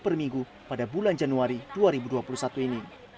per minggu pada bulan januari dua ribu dua puluh satu ini